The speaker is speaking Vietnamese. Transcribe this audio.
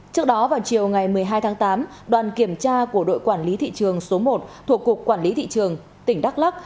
trước đó vào chiều ngày một mươi hai tháng tám đoàn kiểm tra của đội quản lý thị trường số một thuộc cục quản lý thị trường tỉnh đắk lắc